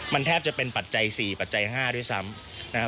มันแทบจะเป็นปัจจัย๔ปัจจัย๕ด้วยซ้ำนะครับ